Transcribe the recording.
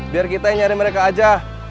biar kita yang nyari mereka aja